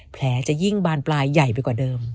จะยิ่งบานปลายใหญ่ไปกว่าเดิม